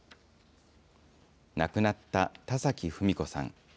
亡くなった田崎文子さん。